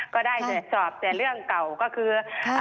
ก็ได้แต่สอบแต่เรื่องเก่าก็คือ